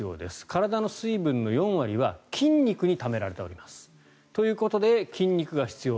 体の水分の４割は筋肉にためられています。ということで筋肉が必要。